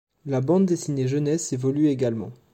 La bande dessinée jeunesse évolue également.